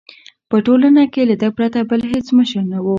په ټولنه کې له ده پرته بل هېڅ مشر نه وو.